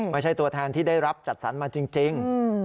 ไม่ใช่ตัวแทนที่ได้รับจัดสรรมาจริง